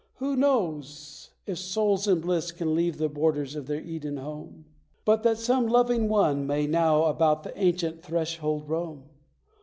Who knows if souls in bliss can leave the borders of their Eden home But that some loving one may now about the ancient threshold roam?